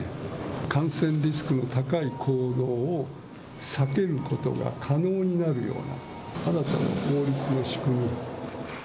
感染リスクの高い行動を避けることが可能になるような、新たな法律の仕組みを。